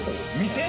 店？